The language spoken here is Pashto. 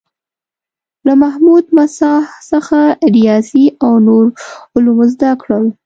له محمود مساح څخه ریاضي او نور علوم زده کړل.